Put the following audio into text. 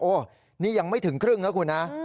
นี่ยังไม่ถึงครึ่งนะคุณนะ